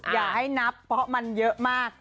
อย่าให้นับเพราะมันเยอะมาก